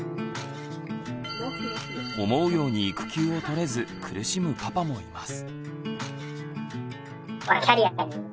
思うように育休をとれず苦しむパパもいます。